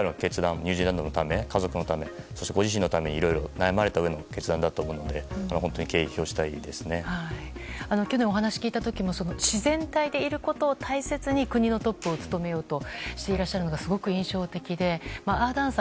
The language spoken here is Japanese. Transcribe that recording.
ニュージーランドのため家族のためそして自身のためにいろいろ悩まれたうえでの決断だと思うので去年、お話を聞いた時も自然体でいることを大切に国のトップを務めようとしてらっしゃるのが印象的でアーダーンさん